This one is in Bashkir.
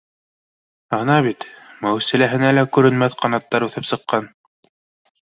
Ана бит, Мәүсиләһенә лә күренмәҫ ҡанаттар үҫеп сыҡҡан